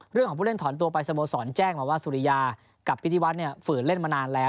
เรื่องของผู้เล่นถอนตัวไปสโมสรแจ้งมาว่าสุริยากับพิธีวัฒน์ฝืนเล่นมานานแล้ว